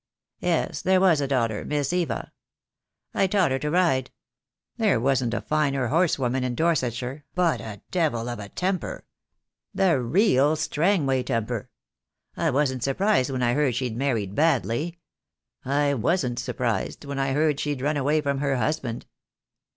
"Yes, there was a daughter, Miss Eva. I taught her to ride. There wasn't a finer horsewoman in Dorsetshire, but a devil of a temper — the real Strangway temper. I wasn't surprised when I heard she'd married badly; I wasn't surprised when I heard she'd run away from her husband."